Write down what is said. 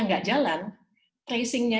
nggak jalan tracingnya